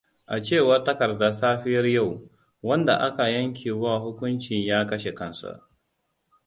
A cewar takarda safiyar yau, wanda aka yankewa hukuncin ya kashe kansa.